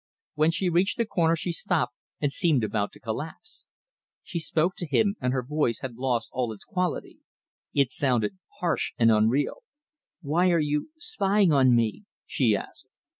When she reached the corner she stopped, and seemed about to collapse. She spoke to him, and her voice had lost all its quality. It sounded harsh and unreal. "Why are you spying on me?" she asked.